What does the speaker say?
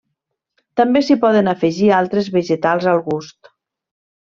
També s’hi poden afegir altres vegetals al gust.